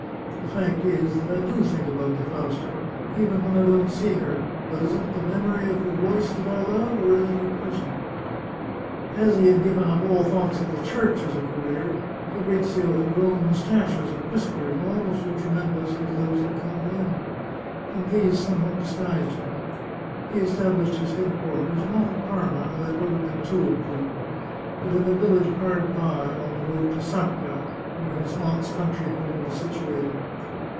The fact is that I do think about Fausta, even when I don't see her; but is it the memory of her voice that I love, or is it her person ?" As he had given up all thoughts of the Church as a career, Fabrizio had grown moustaches and whiskers almost as tremendous as those of Count M , and these some what disguised him. He established his headquarters, not at Parma — that would have been too imprudent — but in a village hard by, on the road to Sacca, where his aunt's country house was situated.